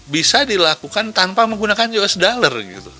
bisa dilakukan tanpa menggunakan us dollar